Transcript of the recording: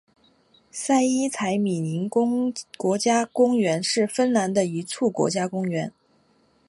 塞伊采米宁国家公园是芬兰的一处国家公园。